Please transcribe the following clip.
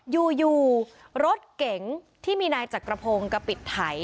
อยู่รถเก๋งที่มีนายจักรพงศ์กระปิดไถ